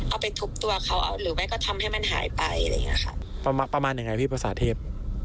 เอาไปทุบตัวเขาหรือไม่ก็ทำให้มันหายไปอะไรอย่างเงี้ยค่ะประมาณประมาณยังไงพี่ภาษาเทพ